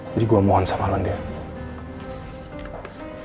jadi gue mohon sama london